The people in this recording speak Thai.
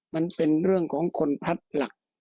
มันเป็นเรื่องของคนพลัดหลัก